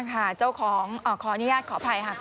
เจ้าของขออนุญาตขออภัยค่ะ